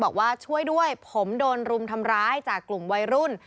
บอกว่าช่วยด้วยผมโดนรุมทำร้ายจากกลุ่มวัยรุ่น